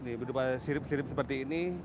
ini berupa sirip sirip seperti ini